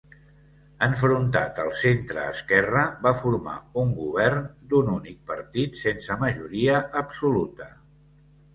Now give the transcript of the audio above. Enfrontat al centreesquerra va formar un govern d'un únic partit sense majoria absoluta.